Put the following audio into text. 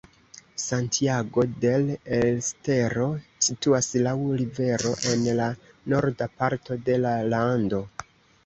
Santiago del Estero situas laŭ rivero en la norda parto de la lando.